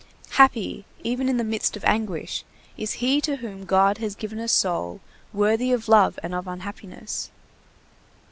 Happy, even in the midst of anguish, is he to whom God has given a soul worthy of love and of unhappiness!